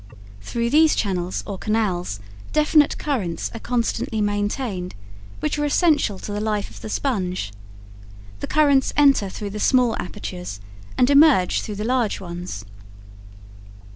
Through these channels or canals definite currents are constantly maintained, which are essential to the life of the sponge. The currents enter through the small apertures and emerge through the large ones.